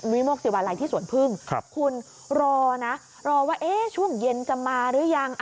วิโมกศิวาลัยที่สวนพึ่งคุณรอนะรอว่าช่วงเย็นจะมาหรือยัง